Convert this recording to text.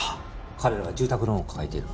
彼らは住宅ローンを抱えている。